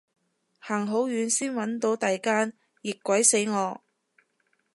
行好遠先搵到第間，熱鬼死我